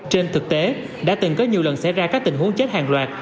trên thực tế đã từng có nhiều lần xảy ra các tình huống chết hàng loạt